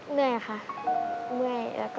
เหนื่อยค่ะเมื่อยแล้วก็